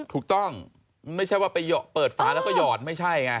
ถูกต้องไม่ใช่ว่าไปเปิดฝาแล้วก็หยอดไม่ใช่ไง